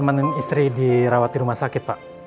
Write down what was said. berfungsi dalam manfaat